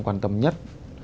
là các doanh nghiệp